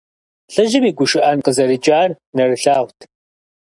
ЛӀыжьым и гушыӀэн къызэрикӀар нэрылъагъут.